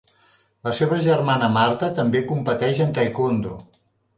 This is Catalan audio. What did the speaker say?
La seva germana Marta també competeix en taekwondo.